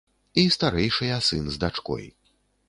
І старэйшыя сын з дачкой.